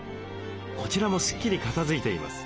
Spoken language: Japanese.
こちらもスッキリ片づいています。